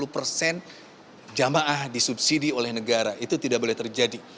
dua puluh persen jemaah disubsidi oleh negara itu tidak boleh terjadi